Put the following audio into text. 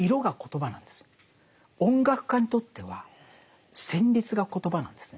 音楽家にとっては旋律がコトバなんですね。